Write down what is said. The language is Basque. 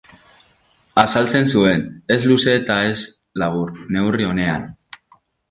Azaltzen zuen, ez luze eta ez labur, neurri onean.